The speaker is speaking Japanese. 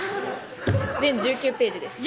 全１９ページです